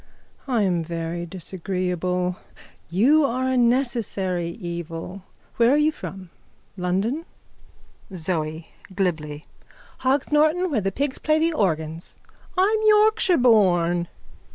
_ I am very disagreeable. You are a necessary evil. Where are you from? London? ZOE: (Glibly.) Hog's Norton where the pigs plays the organs. I'm Yorkshire born.